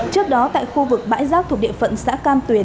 trước đó tại khu vực bãi rác thuộc địa phận xã cam tuyền